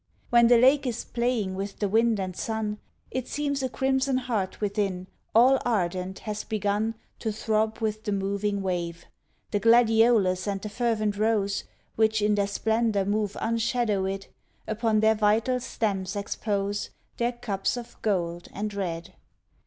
When the lake is playing with the wind and sun, It seems a crimson heart Within, all ardent, has begun To throb with the moving wave; The gladiolus and the fervent rose, Which in their splendour move unshadowèd, Upon their vital stems expose Their cups of gold and red.